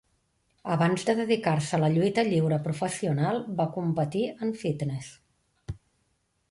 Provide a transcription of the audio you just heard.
Abans de dedicar-se a la lluita lliure professional va competir en fitness.